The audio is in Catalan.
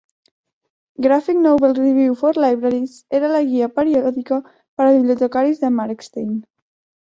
"Graphic Novel Review for Libraries" era la guia periòdica per a bibliotecaris de Markstein.